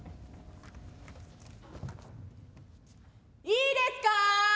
・いいですか？